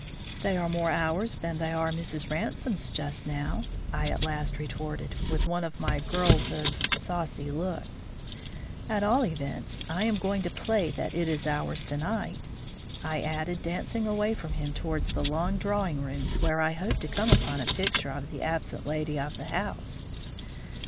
"They are more ours than they are Mrs. Ransome's, just now," I at last retorted, with one of my girlhood's saucy looks. "At all events, I am going to play that it is ours tonight," I added, dancing away from him towards the long drawing rooms where I hoped to come upon a picture of the absent lady of the house.